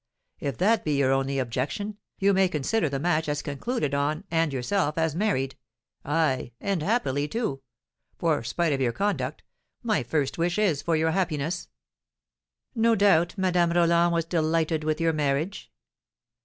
If that be your only objection, you may consider the match as concluded on, and yourself as married, ay, and happily, too, for, spite of your conduct, my first wish is for your happiness.'" "No doubt Madame Roland was delighted with your marriage?"